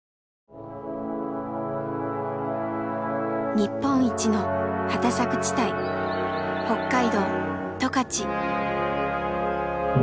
日本一の畑作地帯北海道・十勝。